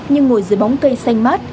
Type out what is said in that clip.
nhưng ngồi dưới bóng cây xanh mát